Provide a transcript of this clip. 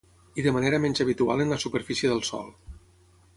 i de manera menys habitual en la superfície del sòl